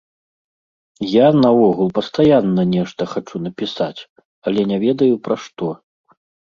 Я, наогул, пастаянна нешта хачу напісаць, але не ведаю пра што.